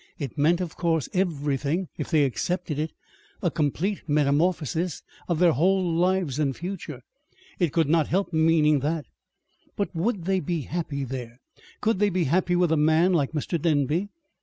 It meant, of course, everything, if they accepted it, a complete metamorphosis of their whole lives and future. It could not help meaning that. But would they be happy there? Could they be happy with a man like Mr. Denby?